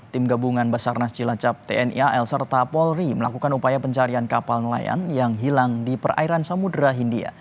tim gabungan basarnas cilacap tni al serta polri melakukan upaya pencarian kapal nelayan yang hilang di perairan samudera hindia